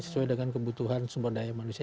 sesuai dengan kebutuhan sumber daya manusia